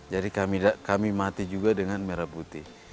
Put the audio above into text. jadi kami mati juga dengan merah putih